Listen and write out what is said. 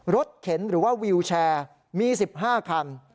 เข็นหรือว่าวิวแชร์มี๑๕คัน